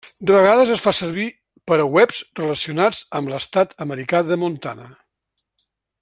De vegades es fa servir per a webs relacionats amb l'estat americà de Montana.